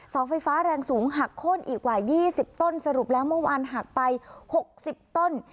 เสาไฟฟ้าแรงสูงหักโค้นอีกกว่า๒๐ต้นสรุปแล้วเมื่อวานหักไป๖๐ต้น